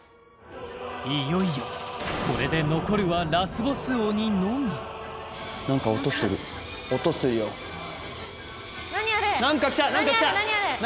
いよいよこれで残るはラスボス鬼のみなんか来た何？